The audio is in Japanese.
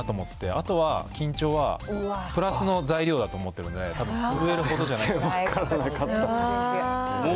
あとは緊張は、プラスの材料だと思ってるんで、たぶん震えるほどじゃないと思う。